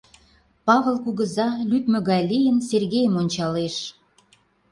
— Павыл кугыза, лӱдмӧ гай лийын, Сергейым ончалеш.